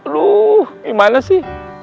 luh gimana sih